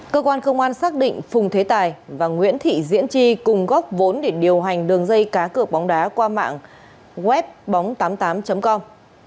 cơ quan công an xác định phùng thế tài và nguyễn thị diễn chi cùng góp vốn để điều hành đường dây cá cược bóng đá qua mạng web bóng tám mươi tám com